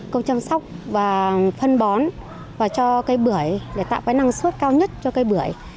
câu chăm sóc và phân bón và cho cây bưởi để tạo cái năng suất cao nhất cho cây bưởi